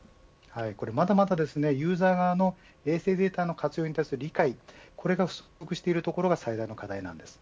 まだまだユーザー側の衛星データの活用に対する理解が不足しているところが最大の課題です。